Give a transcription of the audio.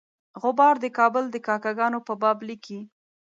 غبار د کابل د کاکه ګانو په باب لیکي.